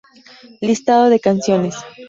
Listado de canciones.